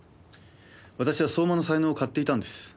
私は相馬の才能を買っていたんです。